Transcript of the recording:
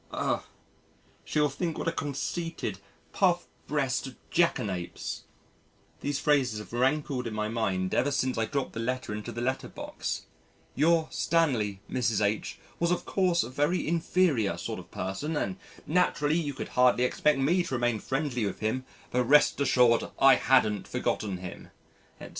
Ugh! She will think what a conceited, puff breasted Jackanapes. These phrases have rankled in my mind ever since I dropped the letter into the letter box. "Your Stanley, Mrs. H., was of course a very inferior sort of person and naturally, you could hardly expect me to remain friendly with him but rest assured I hadn't forgotten him," etc.